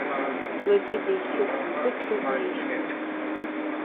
Ларгьы деихьыс-еиԥысуа днаишьҭалт.